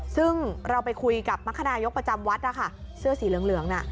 ซึ่งเราไปคุยกับมัฆนายกประจำวัดล่ะค่ะเสื้อสีเหลืองเหลืองน่ะ